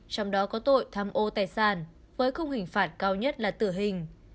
trong đó có tội tham ô tài sản với khung hình phạt cao nhất là tử hình